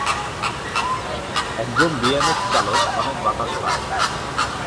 একজন বিএমএক্স চালক অনেক বাতাস পায়।